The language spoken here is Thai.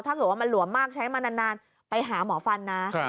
ถ้าเกิดว่ามันหลวมมากใช้มานานไปหาหมอฟันนะ